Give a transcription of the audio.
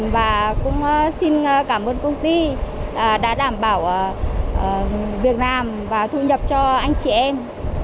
và cũng xin cảm ơn công ty đã đảm bảo việc làm và thu nhập cho anh chị em